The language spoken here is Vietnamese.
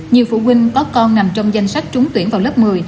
nhiều phụ huynh có con nằm trong danh sách trúng tuyển vào lớp một mươi